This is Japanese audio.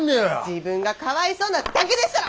自分がかわいそうなだけでっしゃろ！